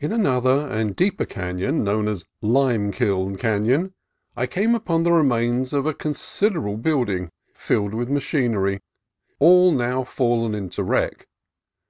In another and deeper canon, known as Lime Kiln Canon, I came upon the remains of a consider able building filled with machinery, all now fallen into wreck.